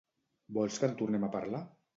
Vols que en tornem a parlar?